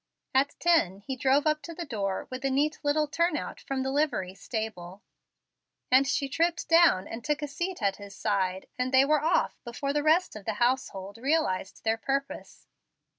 At ten he drove up to the door with a neat little turnout from the livery stable; and she tripped down and took a seat at his side, and they were off before the rest of the household realized their purpose.